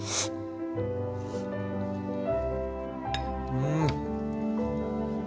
うん。